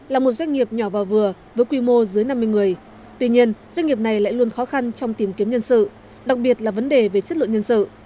là một doanh nghiệp nhỏ và vừa với quy mô dưới năm mươi người tuy nhiên doanh nghiệp này lại luôn khó khăn trong tìm kiếm nhân sự đặc biệt là vấn đề về chất lượng nhân sự